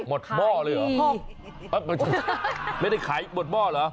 หม้อเลยเหรอไม่ได้ขายหมดหม้อเหรอ